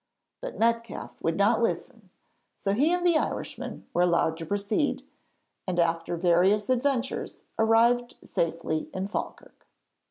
But Metcalfe would not listen, so he and the Irishman were allowed to proceed, and after various adventures arrived safely in Falkirk.